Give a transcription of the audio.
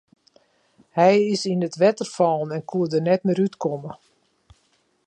Hy is yn it wetter fallen en koe der net mear út komme.